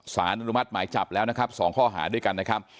สารอนุมัติหมายจับแล้วนะครับ๒ข้อหาด้วยกันนะครับ